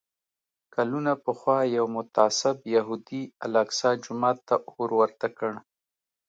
کلونه پخوا یو متعصب یهودي الاقصی جومات ته اور ورته کړ.